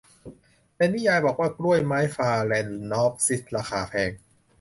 ในนิยายบอกว่ากล้วยไม้ฟาแลนนอปซิสราคาแพง